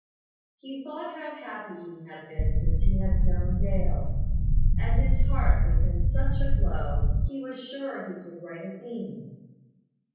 He thought how happy he had been since he had known Dale, and his heart was in such a glow, he was sure he could write a theme.